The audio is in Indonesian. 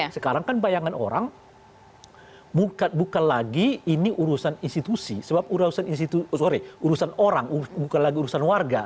sekarang kan bayangan orang bukan lagi ini urusan institusi sebab urusan institusi sorry urusan orang bukan lagi urusan warga